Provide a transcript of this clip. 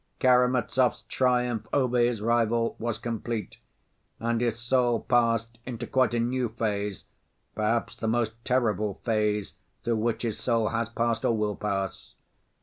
Karamazov's triumph over his rival was complete and his soul passed into quite a new phase, perhaps the most terrible phase through which his soul has passed or will pass.